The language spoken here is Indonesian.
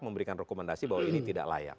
memberikan rekomendasi bahwa ini tidak layak